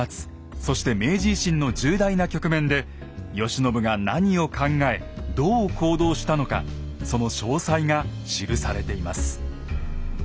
そして明治維新の重大な局面で慶喜が何を考えどう行動したのかその詳細が記されています。